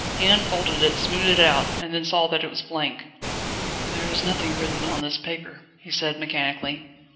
He unfolded it, smoothed it out, and then saw that it was blank. "There is nothing written on this paper," he said mechanically.